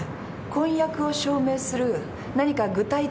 婚約を証明する何か具体的な事実は？